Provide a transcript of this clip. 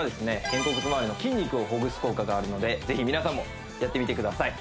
肩甲骨回りの筋肉をほぐす効果があるのでぜひ皆さんもやってみてください